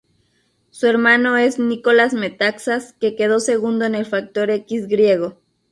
Su hermano es Nikolas Metaxas, que quedó segundo en el Factor X griego.